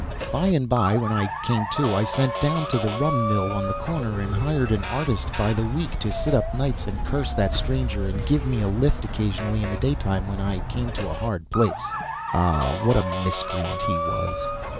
By and by, when I came to, I sent down to the rum mill on the corner and hired an artist by the week to sit up nights and curse that stranger, and give me a lift occasionally in the daytime when I came to a hard place. Ah, what a miscreant he was!